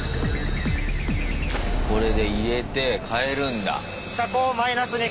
これで入れて変えるんだ。